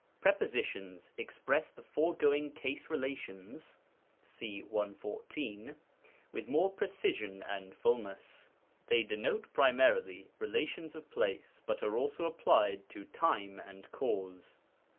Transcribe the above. Prepositions express the foregoing case relations (§114), with more precision and fulness. They de note primarily relations of place, but are also applied to time and cav^e.